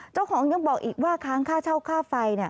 เจ้าของยังบอกอีกว่าค้างค่าเช่าค่าไฟ